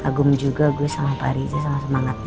kagum juga gue sama pak rija sama semangatnya